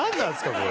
これ。